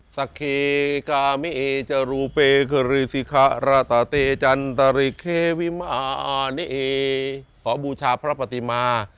สเคกามิเอจรูเปคริสิคะระตาเตจันตริเควิมานี่เอขอบูชาพระปฏิมา